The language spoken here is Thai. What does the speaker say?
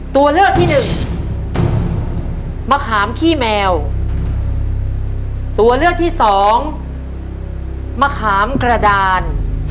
ตัวเลือกที่หนึ่งมะขามขี้แมวตัวเลือกที่สองมะขามกระดาน